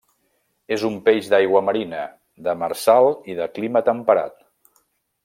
És un peix d'aigua marina, demersal i de clima temperat.